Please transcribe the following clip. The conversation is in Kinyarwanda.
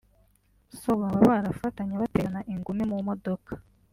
so baba barafatany baterana ingumi mu modoka